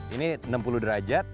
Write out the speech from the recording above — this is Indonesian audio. ini enam puluh derajat